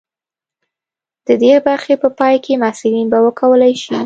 د دې برخې په پای کې محصلین به وکولی شي.